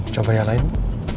coba yang lain bu